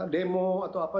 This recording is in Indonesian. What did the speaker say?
demo atau apa